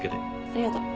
ありがとう。